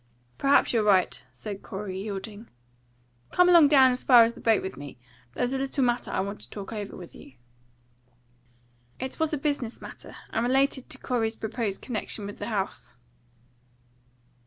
"Perhaps you're right," said Corey, yielding. "Come along down as far as the boat with me. There's a little matter I want to talk over with you." It was a business matter, and related to Corey's proposed connection with the house.